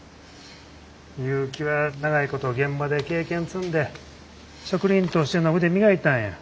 結城は長いこと現場で経験積んで職人としての腕磨いたんや。